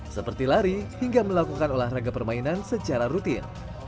seperti lari hingga melakukan olahraga permainan secara rutin